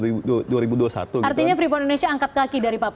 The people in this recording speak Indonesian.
artinya freeport indonesia angkat kaki dari papua